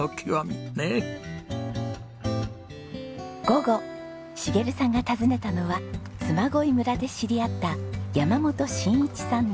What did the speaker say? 午後茂さんが訪ねたのは嬬恋村で知り合った山本眞一さん